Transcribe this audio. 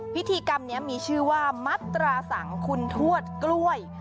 พิธีกรรมนี้มีชื่อว่ามัตราสังคุณทวดกล้วย